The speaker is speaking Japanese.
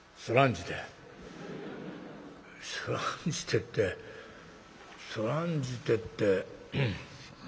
「そらんじてってそらんじてって」。